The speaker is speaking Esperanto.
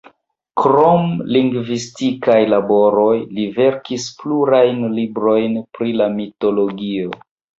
Krom lingvistikaj laboroj, li verkis plurajn librojn pri la mitologio.